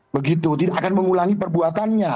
begitu tidak akan mengulangi perbuatannya